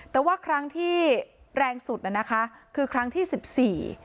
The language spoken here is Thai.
แต่ว่าครั้งที่แรงสุดน่ะนะคะคือครั้งที่สิบสี่